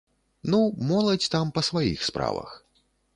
Ну, моладзь там па сваіх справах.